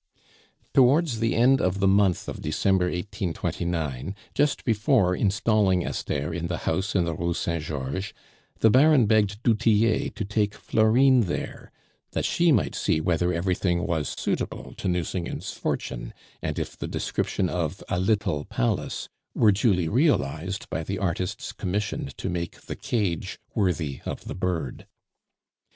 Towards the end of the month of December 1829, just before installing Esther in the house in the Rue Saint Georges, the Baron begged du Tillet to take Florine there, that she might see whether everything was suitable to Nucingen's fortune, and if the description of "a little palace" were duly realized by the artists commissioned to make the cage worthy of the bird.